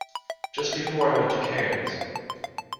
Just before I went to Cannes.